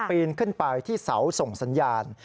ปีนขึ้นไปที่เสาส่งสัญญาณ